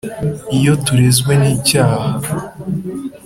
iyo turezwe n'icyaha.